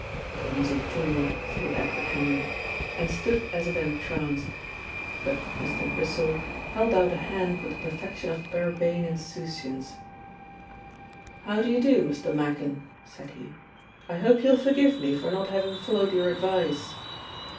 "Clumsy fool!" thought Edward Henry, and stood as if entranced. But Mr. Wrissell held out a hand with the perfection of urbane insouciance. "How d'you do, Mr. Machin?" said he. "I hope you'll forgive me for not having followed your advice."